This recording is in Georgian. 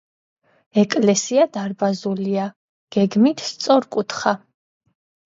ეკლესია დარბაზულია, გეგმით სწორკუთხა.